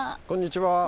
こんにちは。